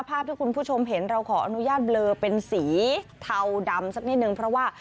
ภาพที่คุณผู้ชมเห็นเราขออนุญาตเบลอเป็นสีเทาดำสักนิดนึงเพราะว่า